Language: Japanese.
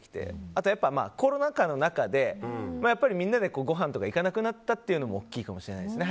あとはコロナ禍の中でみんなでごはんとかに行かなくなったというのも大きいかもしれませんね。